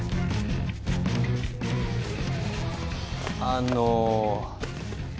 あの。